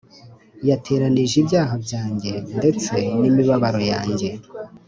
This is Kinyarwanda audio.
Yateranij' ibyaha byanjye, Ndetse n'imibabaro yanjye.